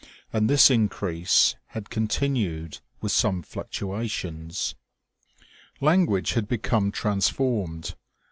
And this inciease had continued, with some fluctuations. Language had become transformed.